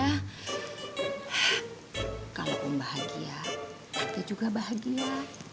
hah kalau om bahagia tante juga bahagia